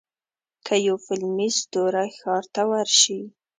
که یو فلمي ستوری ښار ته ورشي.